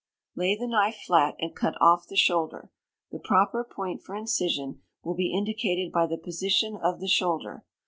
Lay the knife flat, and cut off the shoulder. The proper point for incision will be indicated by the position of the shoulder.